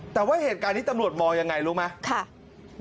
แต่ว่าเหตุการณ์นี้ตำรวจมองยังไงรู้ไหม